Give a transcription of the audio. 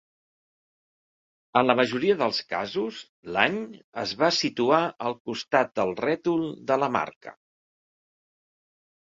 En la majoria dels casos, l'any es va situar al costat del rètol de la marca.